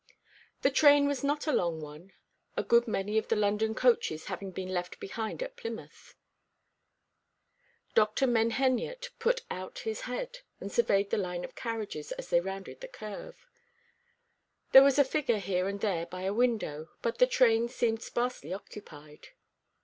The train was not a long one, a good many of the London coaches having been left behind at Plymouth. Dr. Menheniot put out his head, and surveyed the line of carriages as they rounded the curve. There was a figure here and there by a window; but the train seemed sparsely occupied.